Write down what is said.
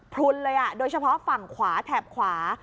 พลุนเลยโดยเฉพาะฝั่งขวาแถบขวา